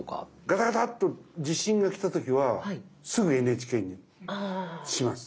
ガタガタっと地震が来た時はすぐＮＨＫにします。